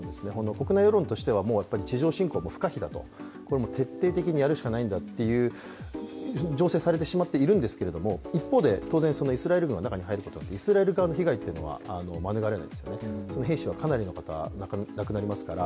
国内世論としては地上侵攻は不可避だと徹底的にやるしかないと醸成されてしまっていますが、一方で、当然イスラエル軍が中に入っていくことによって、イスラエル側の被害は免れないんですね、兵士はかなり亡くなりますから。